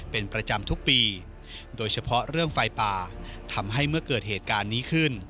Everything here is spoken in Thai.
เป็นประจำทุกปีโดยเฉพาะเรื่องไฟป่าทำให้เมื่อเกิดเหตุการณ์นี้ขึ้น